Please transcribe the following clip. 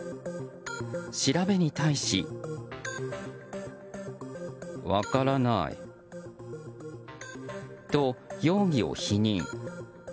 調べに対し。と容疑を否認。